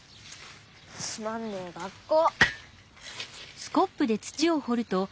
つまんねえ学校！